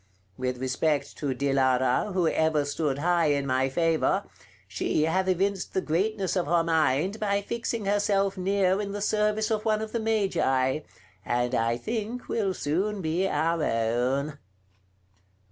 With respect to Dilara, who ever stood high in my favor, she hath evinced the greatness of her mind by fixing herself near in the service of one of the Magi, and I think will soon be our own."